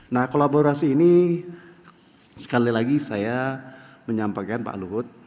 nah kolaborasi ini sekali lagi saya menyampaikan pak luhut